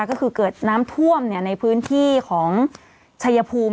ก็คือเกิดน้ำท่วมในพื้นที่ของชัยภูมิ